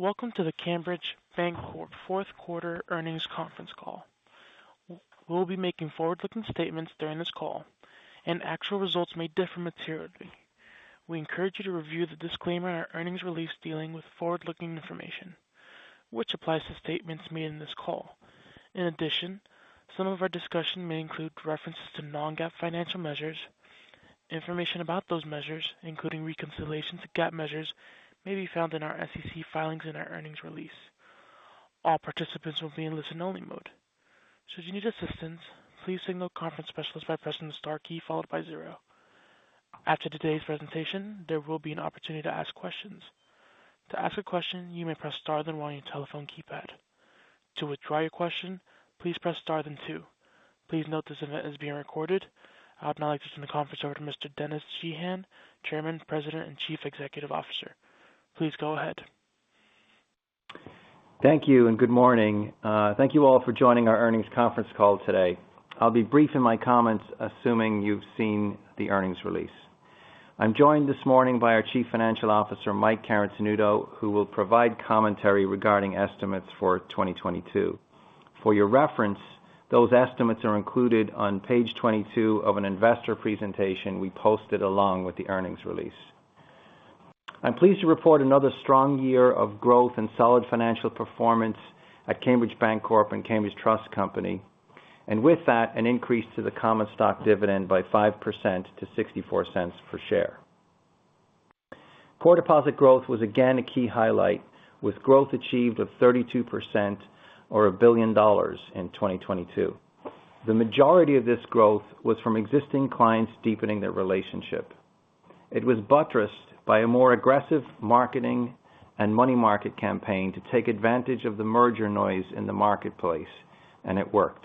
Welcome to the Cambridge Bancorp fourth quarter earnings conference call. We'll be making forward-looking statements during this call and actual results may differ materially. We encourage you to review the disclaimer in our earnings release dealing with forward-looking information, which applies to statements made in this call. In addition, some of our discussion may include references to non-GAAP financial measures. Information about those measures, including reconciliation to GAAP measures, may be found in our SEC filings in our earnings release. All participants will be in listen only mode. Should you need assistance, please signal the conference specialist by pressing the star key followed by zero. After today's presentation, there will be an opportunity to ask questions. To ask a question, you may press star then one on your telephone keypad. To withdraw your question, please press star then two. Please note this event is being recorded. I would now like to turn the conference over to Mr. Denis Sheahan, Chairman, President, and Chief Executive Officer. Please go ahead. Thank you and good morning. Thank you all for joining our earnings conference call today. I'll be brief in my comments, assuming you've seen the earnings release. I'm joined this morning by our Chief Financial Officer, Mike Carotenuto, who will provide commentary regarding estimates for 2022. For your reference, those estimates are included on page 22 of an investor presentation we posted along with the earnings release. I'm pleased to report another strong year of growth and solid financial performance at Cambridge Bancorp and Cambridge Trust Company. With that, an increase to the common stock dividend by 5% to $0.64 per share. Core deposit growth was again a key highlight, with growth achieved of 32% or $1 billion in 2022. The majority of this growth was from existing clients deepening their relationship. It was buttressed by a more aggressive marketing and money market campaign to take advantage of the merger noise in the marketplace, and it worked.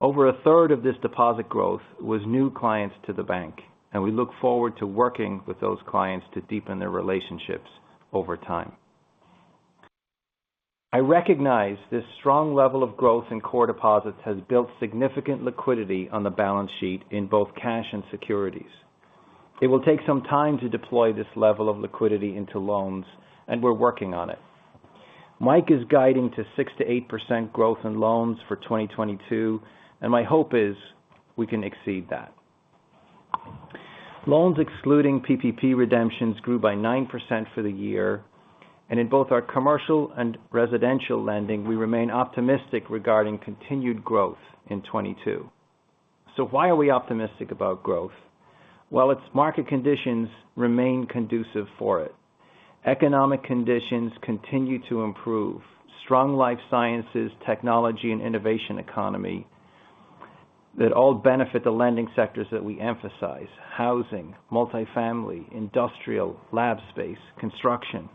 Over a third of this deposit growth was new clients to the bank, and we look forward to working with those clients to deepen their relationships over time. I recognize this strong level of growth in core deposits has built significant liquidity on the balance sheet in both cash and securities. It will take some time to deploy this level of liquidity into loans, and we're working on it. Mike is guiding to 6%-8% growth in loans for 2022, and my hope is we can exceed that. Loans excluding PPP redemptions grew by 9% for the year. In both our commercial and residential lending, we remain optimistic regarding continued growth in 2022. Why are we optimistic about growth? Well, it's market conditions remain conducive for it. Economic conditions continue to improve. Strong life sciences, technology and innovation economy that all benefit the lending sectors that we emphasize, housing, multifamily, industrial, lab space, construction.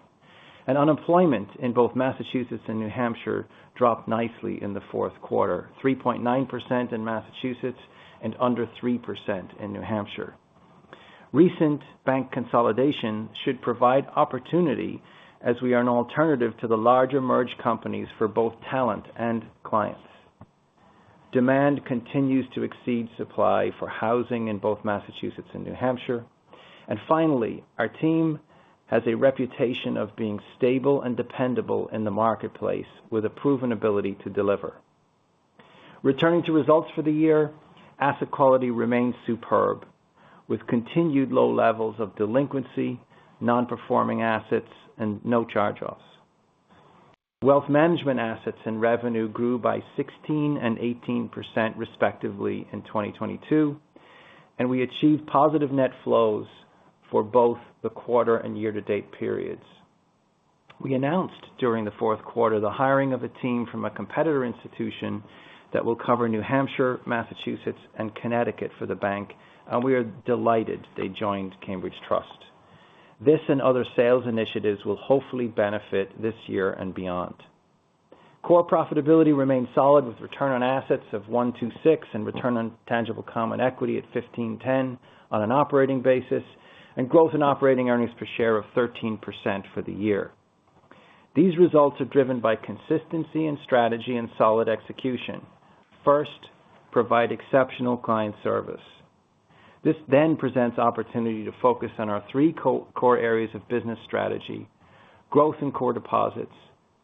Unemployment in both Massachusetts and New Hampshire dropped nicely in the fourth quarter, 3.9% in Massachusetts and under 3% in New Hampshire. Recent bank consolidation should provide opportunity as we are an alternative to the larger merged companies for both talent and clients. Demand continues to exceed supply for housing in both Massachusetts and New Hampshire. Finally, our team has a reputation of being stable and dependable in the marketplace with a proven ability to deliver. Returning to results for the year, asset quality remains superb with continued low levels of delinquency, non-performing assets, and no charge-offs. Wealth management assets and revenue grew by 16% and 18% respectively in 2022, and we achieved positive net flows for both the quarter and year to date periods. We announced during the fourth quarter the hiring of a team from a competitor institution that will cover New Hampshire, Massachusetts, and Connecticut for the bank, and we are delighted they joined Cambridge Trust. This and other sales initiatives will hopefully benefit this year and beyond. Core profitability remains solid with return on assets of 1.26% and return on tangible common equity at 15.10% on an operating basis, and growth in operating earnings per share of 13% for the year. These results are driven by consistency in strategy and solid execution. First, provide exceptional client service. This presents opportunity to focus on our three core areas of business strategy, growth in core deposits,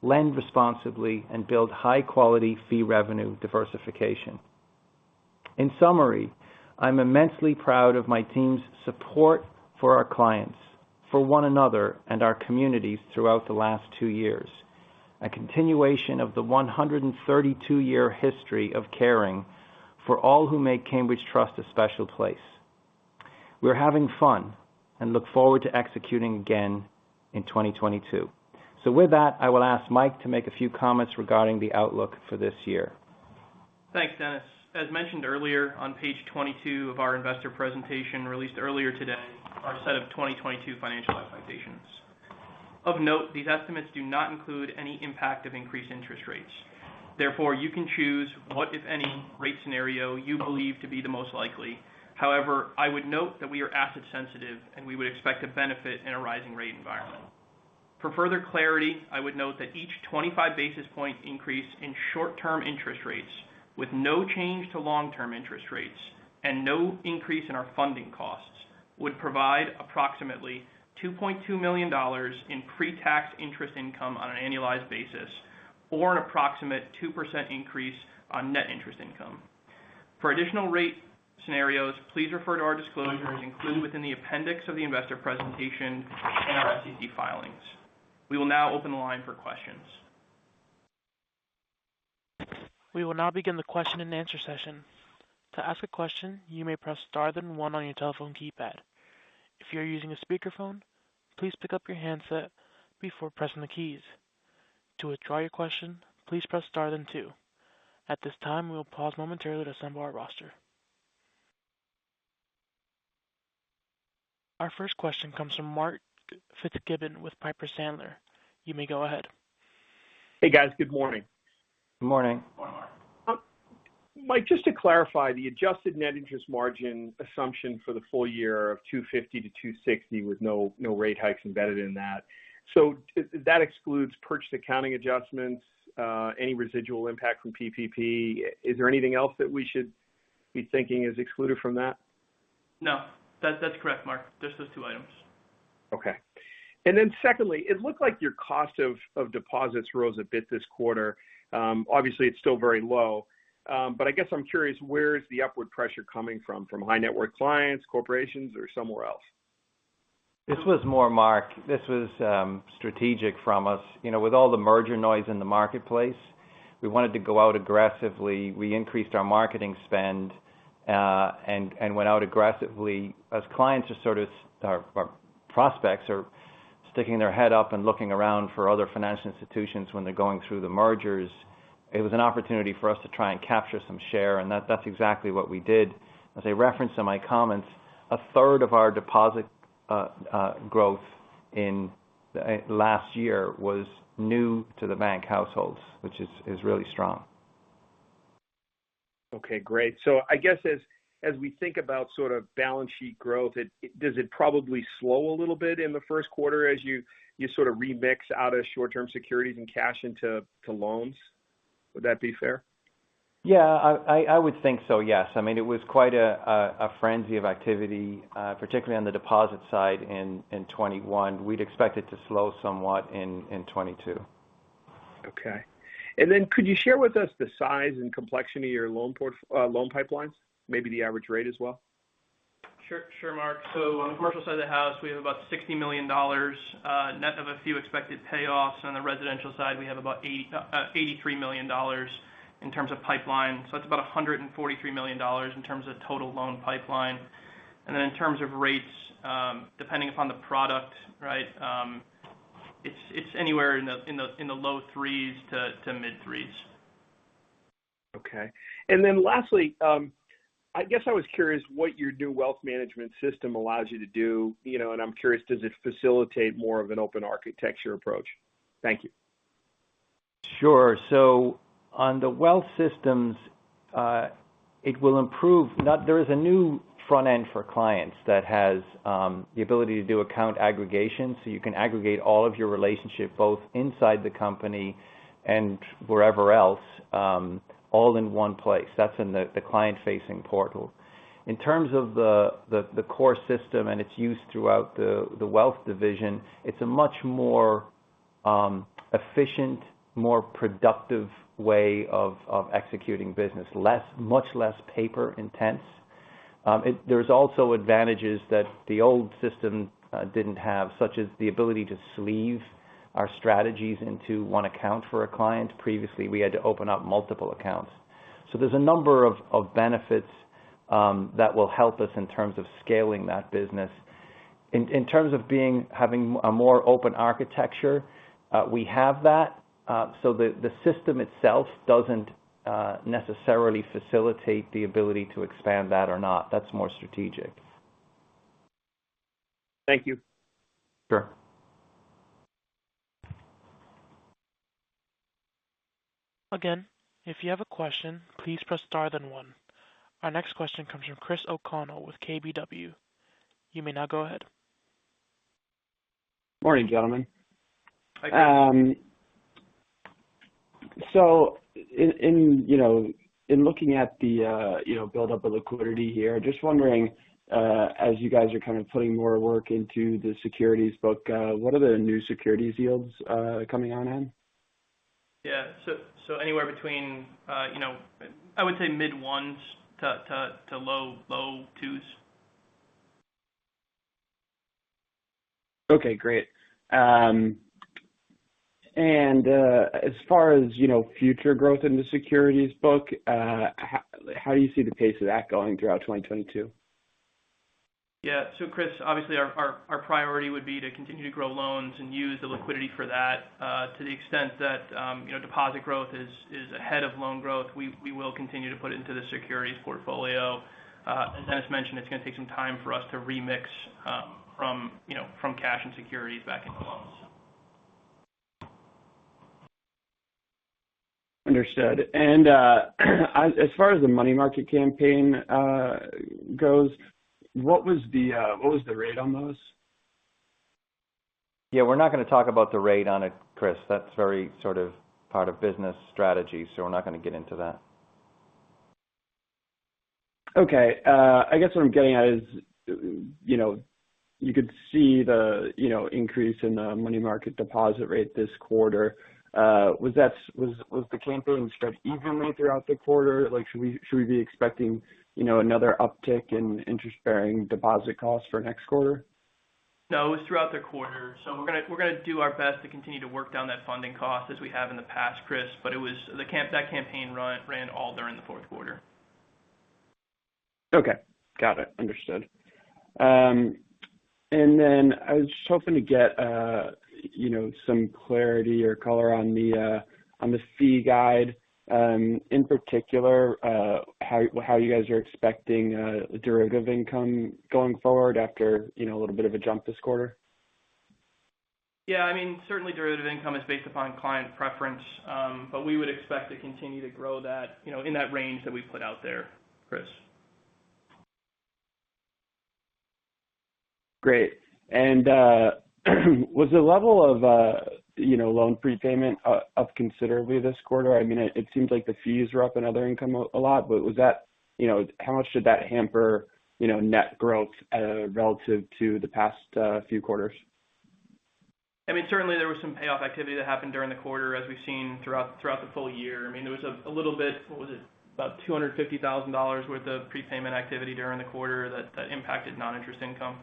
lend responsibly, and build high quality fee revenue diversification. In summary, I'm immensely proud of my team's support for our clients, for one another, and our communities throughout the last two years, a continuation of the 132-year history of caring for all who make Cambridge Trust a special place. We're having fun and look forward to executing again in 2022. With that, I will ask Mike to make a few comments regarding the outlook for this year. Thanks, Denis. As mentioned earlier on page 22 of our investor presentation released earlier today, our set of 2022 financial expectations. Of note, these estimates do not include any impact of increased interest rates. Therefore, you can choose what, if any, rate scenario you believe to be the most likely. However, I would note that we are asset sensitive, and we would expect to benefit in a rising rate environment. For further clarity, I would note that each 25 basis point increase in short-term interest rates with no change to long-term interest rates and no increase in our funding costs would provide approximately $2.2 million in pre-tax interest income on an annualized basis or an approximate 2% increase on net interest income. For additional rate scenarios, please refer to our disclosures included within the appendix of the investor presentation in our SEC filings. We will now open the line for questions. We will now begin the question and answer session. To ask a question, you may press Star then one on your telephone keypad. If you're using a speakerphone, please pick up your handset before pressing the keys. To withdraw your question, please press Star then two. At this time, we will pause momentarily to assemble our roster. Our first question comes from Mark Fitzgibbon with Piper Sandler. You may go ahead. Hey, guys. Good morning. Good morning. Mike, just to clarify, the adjusted net interest margin assumption for the full year of 2.50%-2.60% with no rate hikes embedded in that. That excludes purchase accounting adjustments, any residual impact from PPP. Is there anything else that we should be thinking is excluded from that? No, that's correct, Mark. Just those two items. Okay. Secondly, it looks like your cost of deposits rose a bit this quarter. Obviously, it's still very low. I guess I'm curious, where is the upward pressure coming from? From high net worth clients, corporations, or somewhere else? This was more, Mark. This was strategic from us. You know, with all the merger noise in the marketplace, we wanted to go out aggressively. We increased our marketing spend and went out aggressively as prospects are sticking their head up and looking around for other financial institutions when they're going through the mergers. It was an opportunity for us to try and capture some share, and that's exactly what we did. As I referenced in my comments, a third of our deposit growth in last year was new to the bank households, which is really strong. Okay, great. I guess as we think about sort of balance sheet growth, does it probably slow a little bit in the first quarter as you sort of remix out of short-term securities and cash into loans? Would that be fair? Yeah, I would think so, yes. I mean, it was quite a frenzy of activity, particularly on the deposit side in 2021. We'd expect it to slow somewhat in 2022. Okay. Could you share with us the size and complexity of your loan pipelines, maybe the average rate as well? Sure, Mark. On the commercial side of the house, we have about $60 million, net of a few expected payoffs. On the residential side, we have about $83 million in terms of pipeline. That's about $143 million in terms of total loan pipeline. In terms of rates, depending upon the product, right, it's anywhere in the low 3s to mid 3s. Okay. Lastly, I guess I was curious what your new wealth management system allows you to do, you know, and I'm curious, does it facilitate more of an open architecture approach? Thank you. Sure. On the wealth systems, it will improve. Now, there is a new front end for clients that has the ability to do account aggregation. You can aggregate all of your relationship, both inside the company and wherever else, all in one place. That's in the client-facing portal. In terms of the core system and its use throughout the wealth division, it's a much more efficient, more productive way of executing business, much less paper-intensive. There's also advantages that the old system didn't have, such as the ability to sleeve our strategies into one account for a client. Previously, we had to open up multiple accounts. There's a number of benefits that will help us in terms of scaling that business. In terms of having a more open architecture, we have that. The system itself doesn't necessarily facilitate the ability to expand that or not. That's more strategic. Thank you. Sure. Our next question comes from Chris O'Connell with KBW. You may now go ahead. Morning, gentlemen. Hi. In you know, in looking at the you know, build up of liquidity here, just wondering, as you guys are kind of putting more work into the securities book, what are the new securities yields coming on in? Yeah. Anywhere between, you know, I would say mid ones to low twos. Okay, great. As far as, you know, future growth in the securities book, how do you see the pace of that going throughout 2022? Yeah. Chris, obviously, our priority would be to continue to grow loans and use the liquidity for that. To the extent that you know deposit growth is ahead of loan growth, we will continue to put into the securities portfolio. As Denis mentioned, it's gonna take some time for us to remix from you know from cash and securities back into loans. Understood. As far as the money market campaign goes, what was the rate on those? Yeah, we're not gonna talk about the rate on it, Chris. That's very sort of part of business strategy, so we're not gonna get into that. Okay. I guess what I'm getting at is, you know, you could see the, you know, increase in the money market deposit rate this quarter. Was the campaign spread evenly throughout the quarter? Like, should we be expecting, you know, another uptick in interest-bearing deposit costs for next quarter? No, it was throughout the quarter. We're gonna do our best to continue to work down that funding cost as we have in the past, Chris. It was the campaign that ran all during the fourth quarter. Okay. Got it. Understood. I was just hoping to get, you know, some clarity or color on the fee guidance, in particular, how you guys are expecting derivative income going forward after, you know, a little bit of a jump this quarter. Yeah, I mean, certainly derivative income is based upon client preference. We would expect to continue to grow that, you know, in that range that we put out there, Chris. Great. Was the level of, you know, loan prepayment up considerably this quarter? I mean, it seems like the fees are up in other income a lot. Was that, you know, how much did that hamper, you know, net growth relative to the past few quarters? I mean, certainly there was some payoff activity that happened during the quarter as we've seen throughout the full year. I mean, there was a little bit, what was it? About $250,000 worth of prepayment activity during the quarter that impacted non-interest income.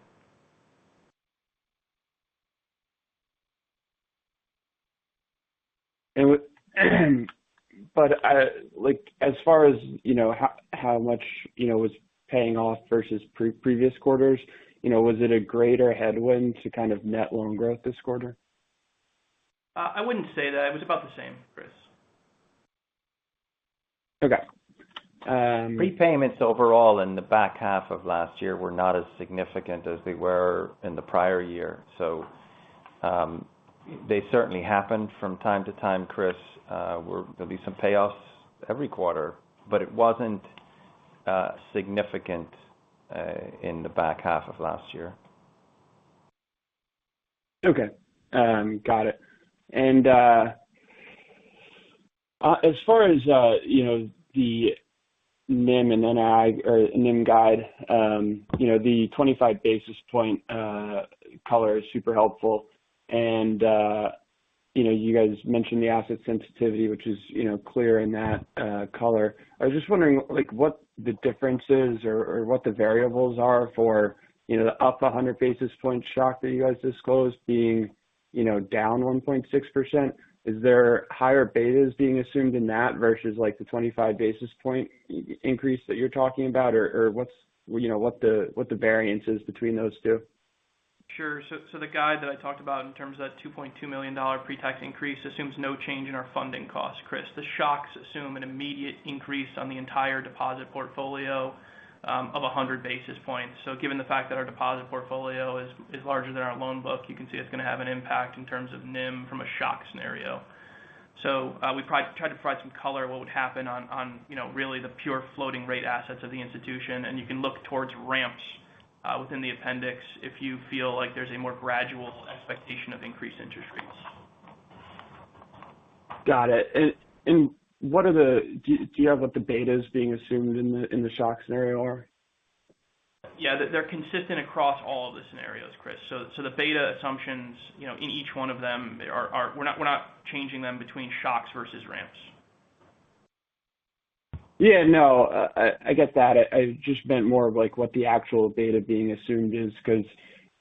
Like, as far as, you know, how much, you know, was paying off versus previous quarters, you know, was it a greater headwind to kind of net loan growth this quarter? I wouldn't say that. It was about the same, Chris. Okay. Repayments overall in the back half of last year were not as significant as they were in the prior year, so they certainly happened from time to time, Chris. Where there'll be some payoffs every quarter, but it wasn't significant in the back half of last year. Okay. Got it. As far as, you know, the NIM guidance, you know, the 25 basis point color is super helpful. You know, you guys mentioned the asset sensitivity, which is, you know, clear in that color. I was just wondering, like, what the differences or what the variables are for, you know, the up 100 basis point shock that you guys disclosed being, you know, down 1.6%. Is there higher betas being assumed in that versus, like, the 25 basis point increase that you're talking about? Or, what's the variance between those two? Sure. The guide that I talked about in terms of that $2.2 million pre-tax increase assumes no change in our funding costs, Chris. The shocks assume an immediate increase on the entire deposit portfolio of 100 basis points. Given the fact that our deposit portfolio is larger than our loan book, you can see it's gonna have an impact in terms of NIM from a shock scenario. We try to provide some color on what would happen on you know, really the pure floating rate assets of the institution, and you can look towards ramps within the appendix if you feel like there's a more gradual expectation of increased interest rates. Got it. Do you have what the betas being assumed in the shock scenario are? Yeah. They're consistent across all of the scenarios, Chris. So the beta assumptions, you know, in each one of them are, we're not changing them between shocks versus ramps. Yeah. No, I get that. I just meant more of, like, what the actual beta being assumed is because,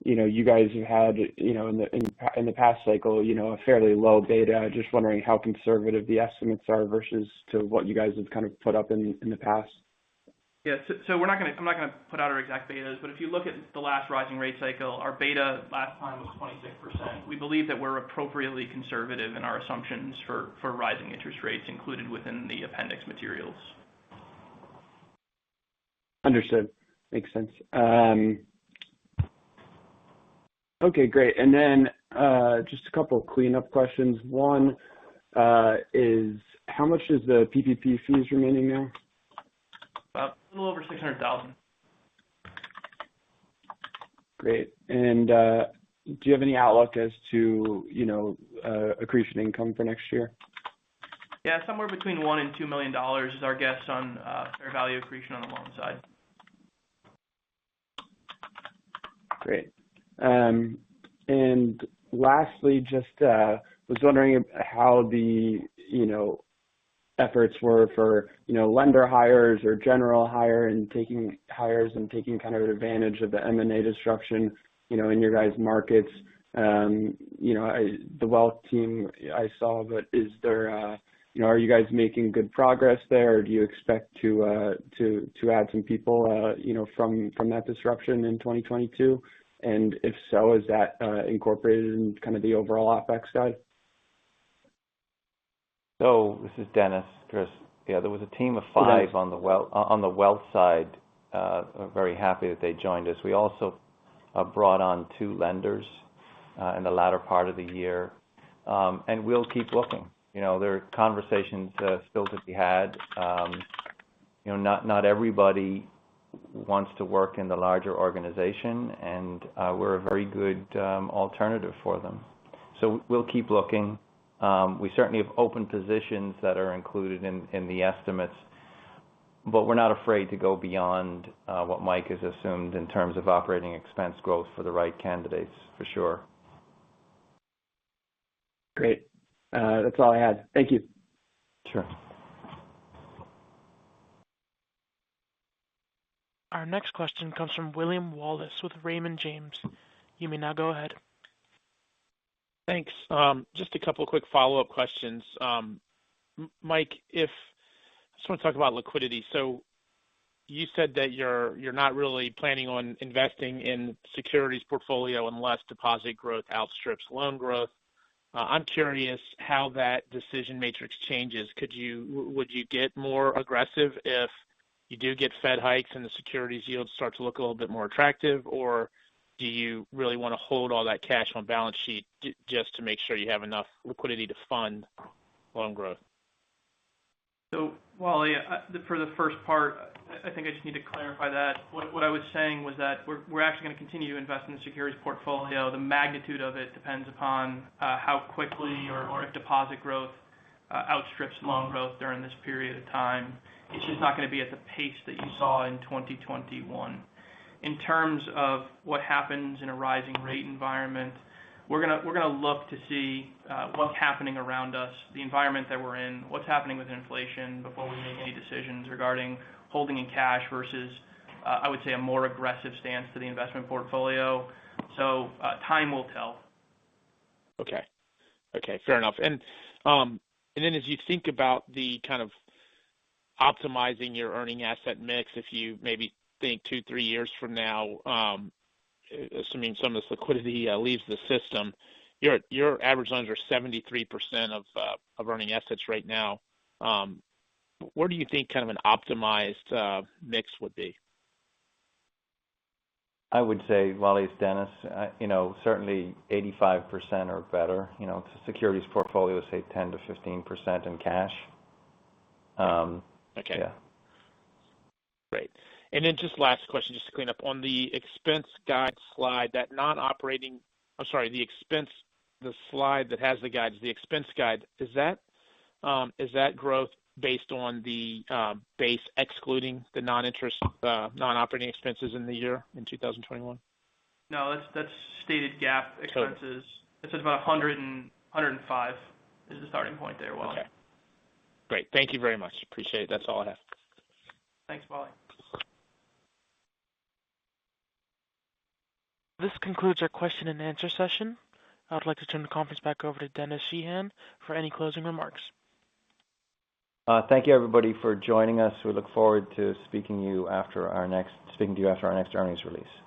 you know, you guys have had, you know, in the past cycle, you know, a fairly low beta. Just wondering how conservative the estimates are versus to what you guys have kind of put up in the past. I'm not gonna put out our exact betas. If you look at the last rising rate cycle, our beta last time was 26%. We believe that we're appropriately conservative in our assumptions for rising interest rates included within the appendix materials. Understood. Makes sense. Okay, great. Just a couple cleanup questions. One, is how much is the PPP fees remaining now? About a little over 600,000. Great. Do you have any outlook as to, you know, accretion income for next year? Yeah. Somewhere between $1 million and $2 million is our guess on fair value accretion on the loan side. Great. Lastly, I just was wondering how the, you know, efforts were for, you know, lender hires or general hires and taking kind of advantage of the M&A disruption, you know, in your guys' markets. You know, the wealth team I saw, but is there, you know, are you guys making good progress there or do you expect to add some people, you know, from that disruption in 2022? If so, is that incorporated in kind of the overall OpEx guide? This is Denis, Chris. Yeah. There was a team of five- Great on the wealth side. Very happy that they joined us. We also brought on two lenders in the latter part of the year. We'll keep looking. There are conversations still to be had. You know, not everybody wants to work in the larger organization, and we're a very good alternative for them. We'll keep looking. We certainly have open positions that are included in the estimates, but we're not afraid to go beyond what Mike has assumed in terms of operating expense growth for the right candidates, for sure. Great. That's all I had. Thank you. Sure. Our next question comes from Wally Wallace with Raymond James. You may now go ahead. Thanks. Just a couple of quick follow-up questions. Mike, I just want to talk about liquidity. You said that you're not really planning on investing in securities portfolio unless deposit growth outstrips loan growth. I'm curious how that decision matrix changes. Would you get more aggressive if you do get Fed hikes and the securities yields start to look a little bit more attractive? Do you really want to hold all that cash on balance sheet just to make sure you have enough liquidity to fund loan growth? Wally, for the first part, I think I just need to clarify that. What I was saying was that we're actually going to continue to invest in the securities portfolio. The magnitude of it depends upon how quickly or if deposit growth outstrips loan growth during this period of time. It's just not going to be at the pace that you saw in 2021. In terms of what happens in a rising rate environment, we're going to look to see what's happening around us, the environment that we're in, what's happening with inflation before we make any decisions regarding holding in cash versus I would say a more aggressive stance to the investment portfolio. Time will tell. Okay. Okay, fair enough. As you think about the kind of optimizing your earning asset mix, if you maybe think 2 years-3 years from now, assuming some of this liquidity leaves the system, your average loans are 73% of earning assets right now. Where do you think kind of an optimized mix would be? I would say, Wally, it's Denis, you know, certainly 85% or better, you know, securities portfolio, say 10%-15% in cash. Okay. Yeah. Great. Just last question, just to clean up. On the expense guide slide, the slide that has the guides, the expense guide, is that growth based on the base excluding the non-interest non-operating expenses in the year in 2021? No, that's stated GAAP expenses. Got it. It's about 105 is the starting point there, Wally. Okay. Great. Thank you very much. Appreciate it. That's all I have. Thanks, Wally. This concludes our question and answer session. I'd like to turn the conference back over to Denis Sheahan for any closing remarks. Thank you, everybody, for joining us. We look forward to speaking to you after our next earnings release.